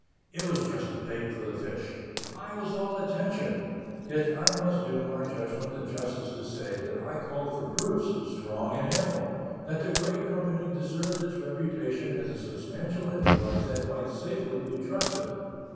It was just the bait for the fish; I was all attention; yet I must do my judgment the justice to say that I called for proofs, strong and ample, that the great company deserved its reputation as a substantial enterprise that might safely be trusted.